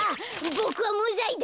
ボクはむざいだ。